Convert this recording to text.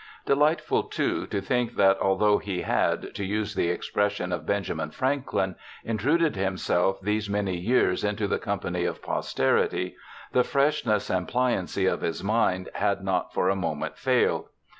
Delightful, too, to think that although he had, to use the expression of Benjamin Franklin, intruded himself these many years into the company of posterity, the freshness and pliancy of his mind had not for a moment failed.